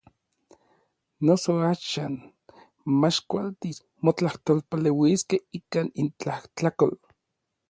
Noso axan mach kualtis motlajtolpaleuiskej ikan intlajtlakol.